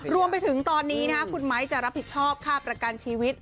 รวมไปถึงตอนนี้คุณไม้จะรับผิดชอบค่าประกันชีวิต